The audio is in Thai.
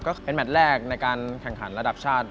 ก็เป็นแมทแรกในการแข่งขันระดับชาติ